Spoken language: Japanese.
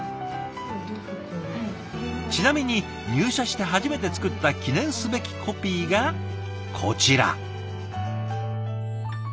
ちなみに入社して初めて作った記念すべきコピーがこちら。